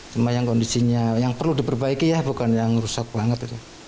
cuma yang kondisinya yang perlu diperbaiki ya bukan yang rusak banget